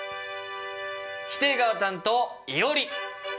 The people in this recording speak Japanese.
否定側担当いおり！